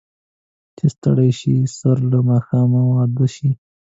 چې ستړي شي، سر له ماښامه اوده شي.